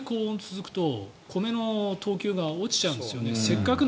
あまり高温が続くと米の等級が落ちるんですよね。